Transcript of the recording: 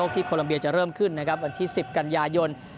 โคลัมเบียจะเริ่มขึ้นนะครับวันที่๑๐กันยายน